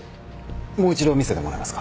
もう一度見せてもらえますか？